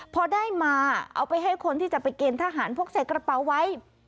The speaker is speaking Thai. พอได้มาเอาไปให้คนที่จะไปเกณฑ์ทหารพกใส่กระเป๋าไว้